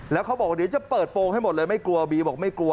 แล้วเขาบอกว่าเดี๋ยวจะเปิดโปรงให้หมดเลยไม่กลัวบีบอกไม่กลัว